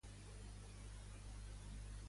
D'on venia la deïtat Tian segons la dinastia Zhou?